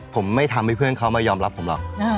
ผมไม่ทำให้เพื่อนเขามายอมรับผมหรอก